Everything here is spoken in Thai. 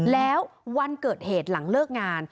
แล้ววันเกิดเหตุหลังเลิกงาน